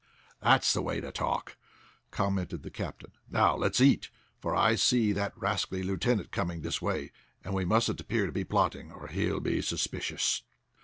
"That's the way to talk," commented the captain. "Now let's eat, for I see that rascally lieutenant coming this way, and we mustn't appear to be plotting, or he'll be suspicious."